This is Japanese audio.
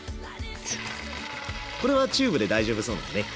これはチューブで大丈夫そうだね。